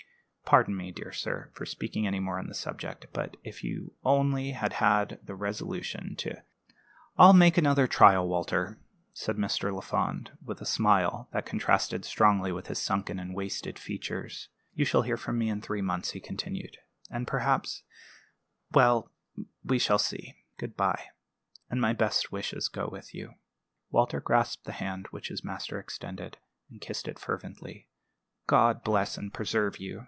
"Pardon me, dear sir, for speaking any more on the subject; but if you only had had the resolution to " "I'll make another trial, Walter," said Mr. Lafond, with a smile that contrasted strongly with his sunken and wasted features. "You shall hear from me in three months," he continued; "and perhaps Well, we shall see. Good by, and my best wishes go with you!" Walter grasped the hand which his master extended, and kissed it fervently. "God bless and preserve you!"